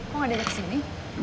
kok gak ada kesini